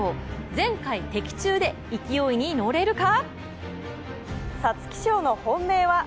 全開的中で、勢いに乗れるか？